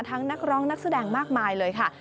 นักร้องนักแสดงมากมายเลยค่ะ